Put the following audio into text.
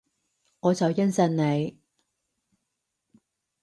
我就應承你